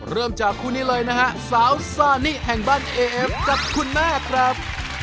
เริ่มจากคู่นี้เลยนะฮะสาวซานิแห่งบ้านเอเอฟกับคุณแม่ครับ